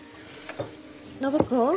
暢子。